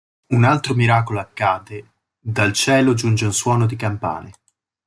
Un altro miracolo accade: dal cielo giunge un suono di campane.